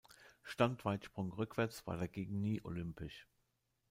Standweitsprung rückwärts war dagegen nie olympisch.